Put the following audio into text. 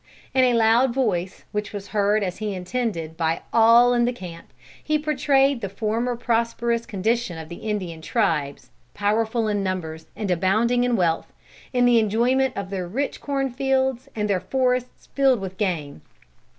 In a loud voice, which was heard, as he intended, by all in the camp, he portrayed the former prosperous condition of the Indian tribes, powerful in numbers and abounding in wealth, in the enjoyment of their rich corn fields, and their forests filled with game.